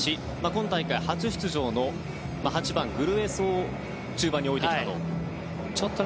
今大会初出場の８番、グルエソを中盤に置いてきたと。